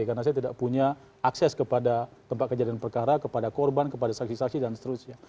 karena saya tidak punya akses kepada tempat kejadian perkara kepada korban kepada saksi saksi dan seterusnya